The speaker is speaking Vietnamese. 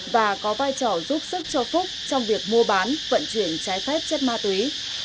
và có vai trò giúp sức cho phúc trong việc mua bán vận chuyển trái phép chất ma túy